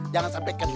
jangan sampe kedar